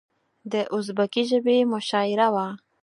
د ازبکي ژبې مشاعره وه.